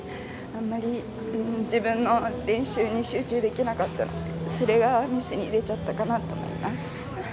あまり、自分の練習に集中できなかったのでそれがミスに出ちゃったかなと思います。